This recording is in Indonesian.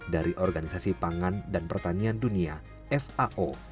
dari organisasi pangan dan pertanian dunia f a o